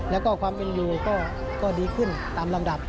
แล้วก็ความเป็นอยู่ก็ดีขึ้นตามลำดับ